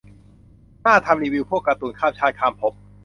น่าทำรีวิวพวกการ์ตูนข้ามชาติข้ามภพ